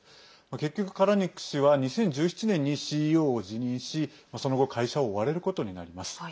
結局、カラニック氏は２０１７年にＣＥＯを辞任しその後、会社を追われることになります。